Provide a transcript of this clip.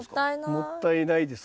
もったいないです。